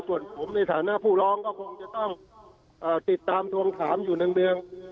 ส่วนผมในสถานพูดร้องก็คงจะต้องติดตามทวงถามอยู่ดัง